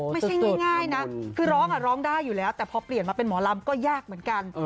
ไม่ใช่ง่ายนะคือร้องร้องได้อยู่แล้วแต่พอเปลี่ยนมาเป็นหมอลำก็ยากเหมือนกัน